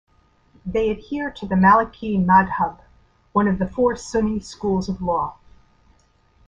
They adhere to the Maliki madhhab, one of the four Sunni schools of law.